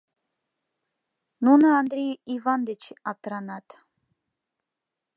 Нуно Андри Иван деч аптыранат.